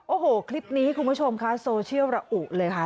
โอ้โหคลิปนี้คุณผู้ชมค่ะโซเชียลระอุเลยค่ะ